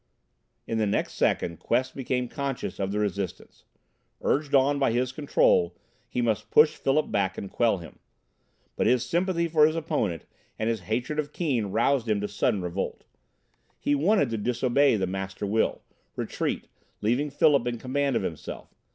In the next second Quest became conscious of the resistance. Urged on by his Control, he must push Philip back and quell him; but his sympathy for his opponent and his hatred of Keane roused him to sudden revolt. He wanted to disobey the Master Will, retreat, leave Philip in command of himself.